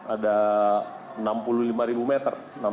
ada enam puluh lima meter